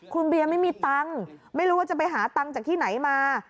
คุณเบียไม่มีตังค์ไม่รู้ว่าจะไปหาตังค์จากที่ไหนมา